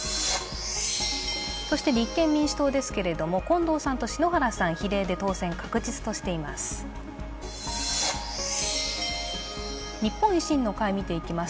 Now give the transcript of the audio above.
そして、立憲民主党ですけども近藤さんと、篠原さん比例で当選確実としています。